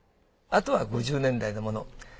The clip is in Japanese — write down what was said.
あとは５０年代のもの。